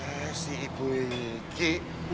eh si ibu ini